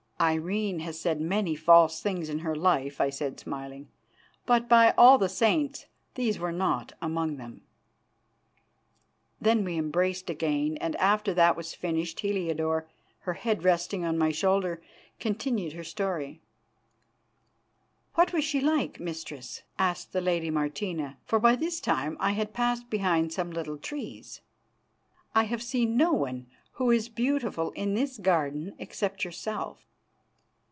"Irene has said many false things in her life," I said, smiling, "but by all the Saints these were not among them." Then we embraced again, and after that was finished Heliodore, her head resting on my shoulder, continued her story: "'What was she like, Mistress?' asked the lady Martina, for by this time I had passed behind some little trees. 'I have seen no one who is beautiful in this garden except yourself.